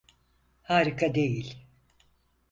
Harika değil.